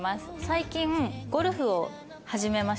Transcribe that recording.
最近ゴルフを始めました。